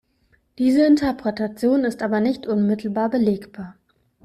Diese Interpretation ist aber nicht unmittelbar belegbar.